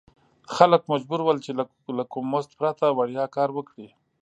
خلک مجبور ول چې له کوم مزد پرته وړیا کار وکړي.